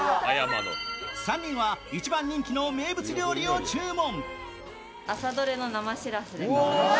３人は一番人気の名物料理を注文。